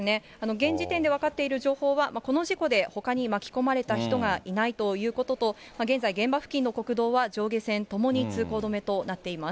現時点で分かっている情報は、この事故でほかに巻き込まれた人がいないということと、現在、現場付近の国道は、上下線ともに通行止めとなっています。